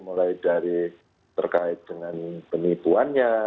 mulai dari terkait dengan penipuannya